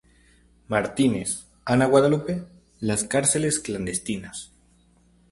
Martínez, Ana Guadalupe: "Las cárceles clandestinas".